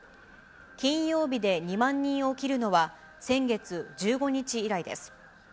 金曜日で２万人を切るのは、先月１５日以来です。